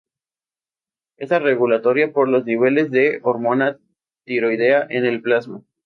Está regulada por los niveles de hormona tiroidea en el plasma.